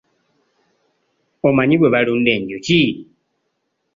Omanyi bwe balunda enjuki?